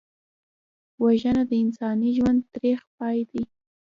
وژنه د انساني ژوند تریخ پای دی